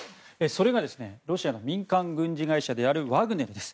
それがロシアの民間軍事会社であるワグネルです。